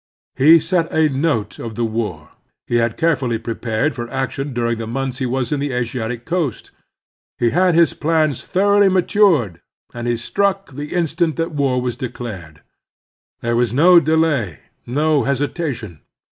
He set the note of the war. He had carefully prepared for action during the months he was on the Asiatic coast. 13 X^' 194 The Strenuous Life He had his plans thoroughly matured, and he struck the instant that war was declared. There was no delay, no hesitation.